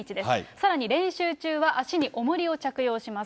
さらに練習中は足におもりを着用します。